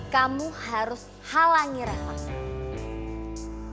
kamu harus halangi reva